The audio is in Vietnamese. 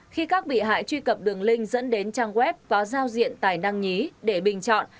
khi các bị hại truy cập đường link dẫn đến trang web có giao diện tài năng nhí để bình chọn